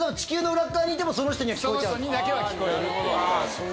その人にだけは聞こえるっていう。